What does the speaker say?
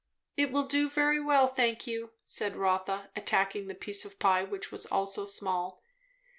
"It will do very well, thank you," said Rotha, attacking the piece of pie, which was also small.